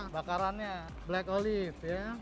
bakarannya black olive